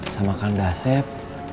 sama kang dasep